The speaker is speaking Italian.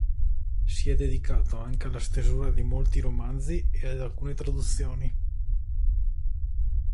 Si è dedicato anche alla stesura di molti romanzi e ad alcune traduzioni.